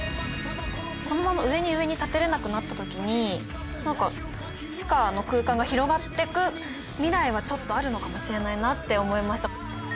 このまま上に上に建てれなくなった時になんか地下の空間が広がっていく未来はちょっとあるのかもしれないなって思いました。